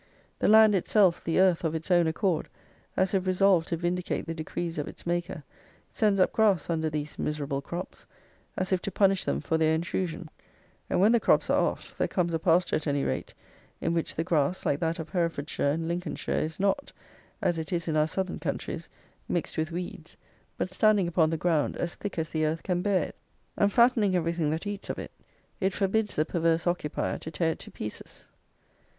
The land itself, the earth, of its own accord, as if resolved to vindicate the decrees of its Maker, sends up grass under these miserable crops, as if to punish them for their intrusion; and, when the crops are off, there comes a pasture, at any rate, in which the grass, like that of Herefordshire and Lincolnshire, is not (as it is in our Southern countries) mixed with weeds; but, standing upon the ground as thick as the earth can bear it, and fattening everything that eats of it, it forbids the perverse occupier to tear it to pieces.